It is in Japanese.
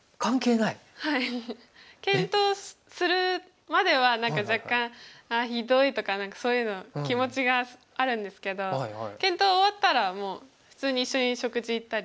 はい。検討するまでは何か若干「あひどい」とか何かそういうの気持ちがあるんですけど検討終わったらもう普通に一緒に食事行ったり。